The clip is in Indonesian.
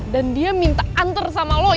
dan dia minta anter sama lo ya kan